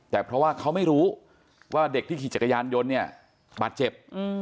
แต่เพราะว่าเขาไม่รู้ว่าเด็กที่ขี่จักรยานยนต์เนี่ยบาดเจ็บ